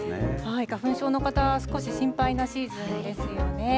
花粉症の方、少し心配なシーズンですよね。